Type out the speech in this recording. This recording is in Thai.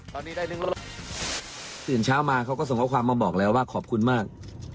ตอนนี้ได้นึงแล้วตื่นเช้ามาเขาก็ส่งข้อความมาบอกแล้วว่าขอบคุณมาก